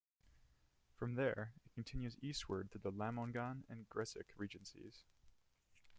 From there, it continues eastward through the Lamongan and Gresik Regencies.